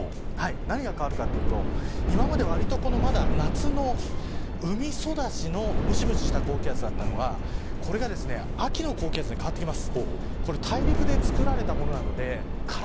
何が変わるかというと今まで、わりとまだ夏の海育ちのむしむしした高気圧だったのがこれが秋の高気圧に変わってきます。